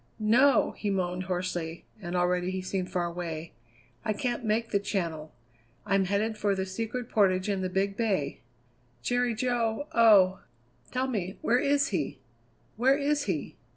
"No!" he moaned hoarsely, and already he seemed far away. "I can't make the Channel. I'm headed for the Secret Portage and the Big Bay." "Jerry Jo! oh! tell me, where is he? Where is he?"